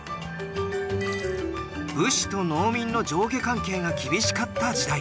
武士と農民の上下関係が厳しかった時代だよ。